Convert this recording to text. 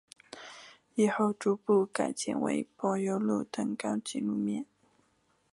以后逐步改建为柏油等高级路面。